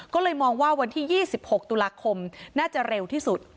ก็เลยมองว่าวันที่๒๖ตุลาคมน่าจะเร็วที่สุด